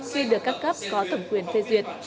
khi được các cấp có thẩm quyền phê duyệt